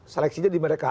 seleksinya di mereka